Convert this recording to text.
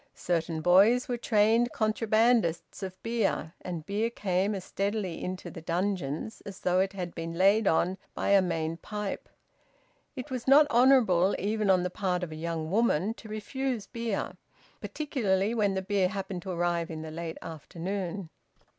Certain boys were trained contrabandists of beer, and beer came as steadily into the dungeons as though it had been laid on by a main pipe. It was not honourable even on the part of a young woman, to refuse beer, particularly when the beer happened to arrive in the late afternoon.